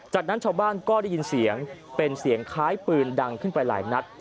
จากนั้นชาวบ้านก็ได้ยินเสียงเป็นเสียงคล้ายปืนดังขึ้นไปหลายนัด